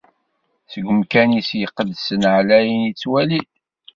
Seg umkan-is iqedsen, ɛlayen, ittwali-d.